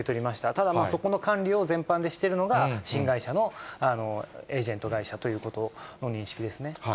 ただ、そこの管理を全般でしているのが、新会社のエージェント会社ということの認識ですね。